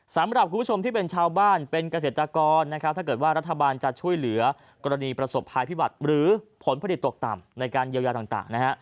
สำหรับคุณผู้ชมที่เป็นชาวบ้านเป็นเกษตรกรนะครับถ้าเกิดว่ารัฐบาลจะช่วยเหลือกรณีประสบภัยพิบัติหรือผลผลิตตกต่ำในการเยียวยาต่างนะฮะ